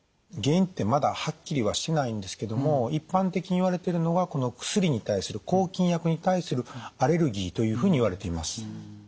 原因ってまだはっきりはしてないんですけども一般的にいわれてるのが薬に対する抗菌薬に対するアレルギーというふうにいわれています。